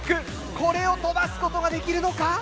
これを飛ばすことができるのか？